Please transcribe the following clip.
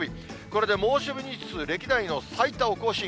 これで猛暑日日数、歴代の最多を更新。